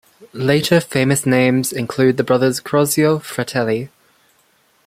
Later famous names include the brothers Crosio Fratelli.